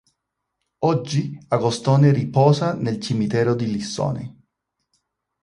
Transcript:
Oggi Agostoni riposa nel cimitero di Lissone.